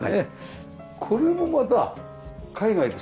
これもまた海外ですか？